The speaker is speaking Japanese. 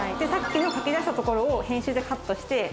さっきのかき出したところを編集でカットして。